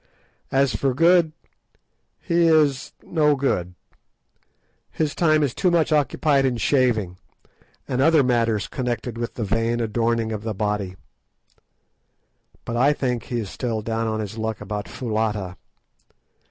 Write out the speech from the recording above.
As for Good, he is no good. His time is too much occupied in shaving, and other matters connected with the vain adorning of the body. But I think he is still down on his luck about Foulata.